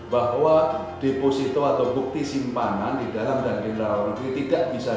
bahwa deposito atau bukti simpanan di dalam dan di dalam negeri tidak bisa dihasilkan